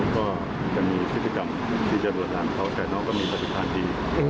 ก็จะมีทฤษภิกรรมที่จะลวดลามเขาแต่น้องก็มีสภาพดี